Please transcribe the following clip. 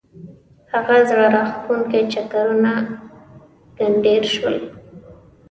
هغه زړه راکښونکي چکرونه ګنډېر شول.